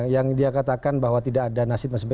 yang dia katakan bahwa tidak ada nasib